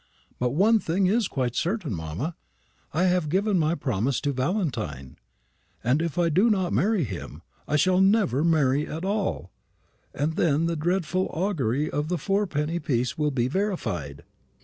But one thing is quite certain, mamma: I have given my promise to Valentine; and if I do not marry him, I shall never marry at all; and then the dreadful augury of the fourpenny piece will be verified."